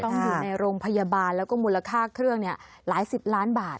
อยู่ในโรงพยาบาลแล้วก็มูลค่าเครื่องหลายสิบล้านบาท